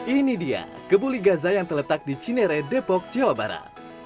ini dia kebuli gaza yang terletak di cinere depok jawa barat